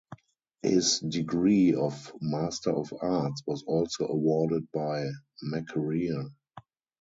His degree of Master of Arts was also awarded by Makerere.